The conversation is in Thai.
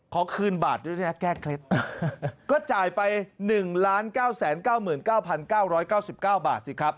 ขอคืนบาทด้วยนะแก้เคล็ดก็จ่ายไป๑๙๙๙๙๙๙๙๙บาทสิครับ